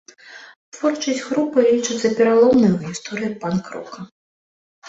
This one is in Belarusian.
Творчасць групы лічыцца пераломнай у гісторыі панк-рока.